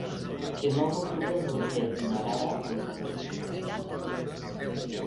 El nou d'octubre en Roger i na Lara aniran d'excursió.